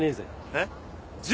えっ！？